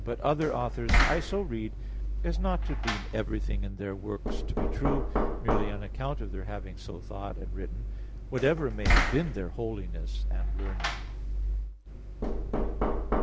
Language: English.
But other authors I so read as not to deem everything in their works to be true, merely on account of their having so thought and written, whatever may have been their holiness and learning."